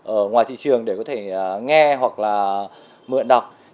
ở ngoài thị trường để có thể nghe hoặc là mượn đọc